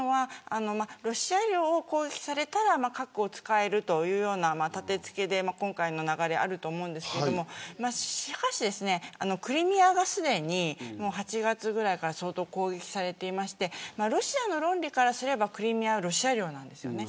ロシア領を攻撃されたら核を使えるという立て付けで今回の流れがあると思うんですがしかし、クリミアがすでに８月ぐらいから相当攻撃されていましてロシアの論理からすればクリミアはロシア領なんです。